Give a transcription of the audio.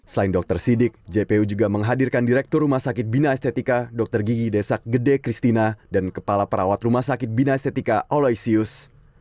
selain dokter sidik jpu juga menghadirkan direktur rumah sakit bina estetika dokter gigi desak gede kristina dan kepala perawat rumah sakit bina estetika oloysius